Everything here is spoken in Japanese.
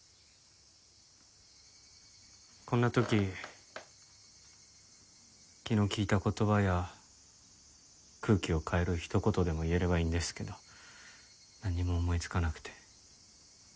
こんな時気の利いた言葉や空気を変える一言でも言えればいいんですけどなんにも思いつかなくて。